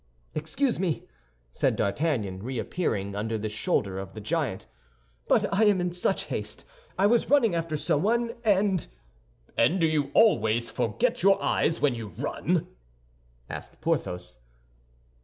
"Excuse me," said D'Artagnan, reappearing under the shoulder of the giant, "but I am in such haste—I was running after someone and—" "And do you always forget your eyes when you run?" asked Porthos.